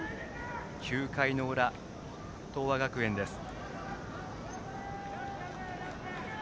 ９回の裏、東亜学園です。